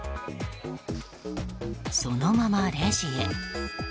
そのままレジへ。